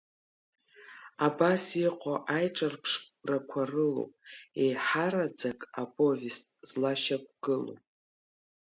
Абас иҟоу аиҿырԥшрақәа рылоуп еиҳараӡак аповест злашьақәгылоу.